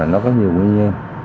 nó có nhiều nguyên nhân